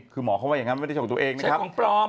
ใช้ของปลอม